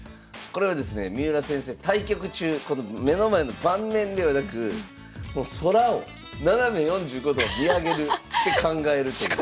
これはですね三浦先生対局中この目の前の盤面ではなく空を斜め４５度を見上げるて考えるという。